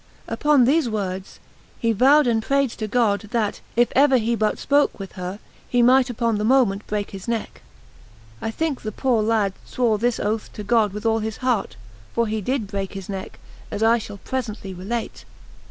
Upon these words he vowed and prayed to God, that, if ever he but spoke with her, he might upon the moment break his neck. I think the poor lad swore this oath to God with all his heart, for he did break his neck, as I shall presently relate.